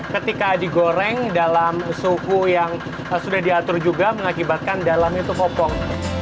ketika digoreng dalam suhu yang sudah diatur juga mengakibatkan dalamnya itu kopong